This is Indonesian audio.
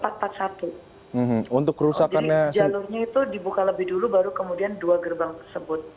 jadi jalurnya itu dibuka lebih dulu baru kemudian dua gerbang tersebut